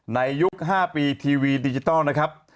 ในยุค๕ปีทีวีดิจิทัลนะครับ